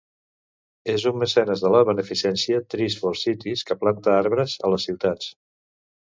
És un mecenes de la beneficència Trees for Cities, que planta arbres a les ciutats.